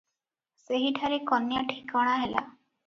ସେହିଠାରେ କନ୍ୟା ଠିକଣା ହେଲା ।